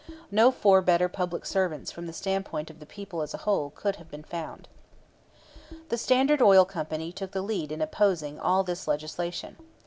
No four better public servants from the standpoint of the people as a whole could have been found. The Standard Oil Company took the lead in opposing all this legislation.